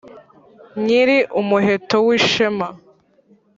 nyiri umuheto w’ishema,